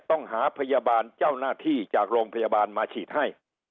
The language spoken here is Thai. ต้องหาพยาบาลเจ้าหน้าที่จากโรงพยาบาลมาฉีดให้